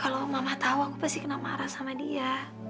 kalau mama tahu aku pasti kena marah sama dia